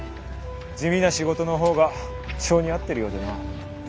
地味な仕事の方が性に合ってるようでな。